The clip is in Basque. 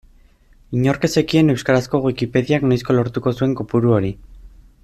Inork ez zekien euskarazko Wikipediak noizko lortuko zuen kopuru hori.